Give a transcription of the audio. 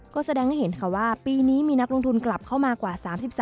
ก็แสดงให้เห็นค่ะว่าปีนี้มีนักลงทุนกลับเข้ามากว่า๓๓